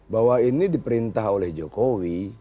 bahwa ini diperintah oleh jokowi